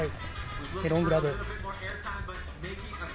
メロングラブ。